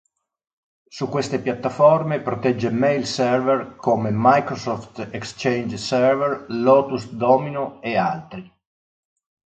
Su queste piattaforme protegge mail server come Microsoft Exchange Server, Lotus Domino e altri.